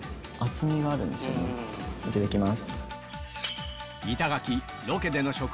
いただきます。